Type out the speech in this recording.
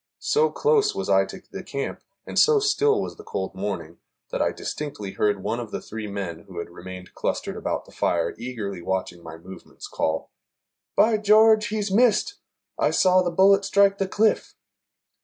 So close was I to the camp, and so still was the cold morning, that I distinctly heard one of the three men, who had remained clustered about the fire eagerly watching my movements, call, "By George, he's missed; I saw the bullet strike the cliff."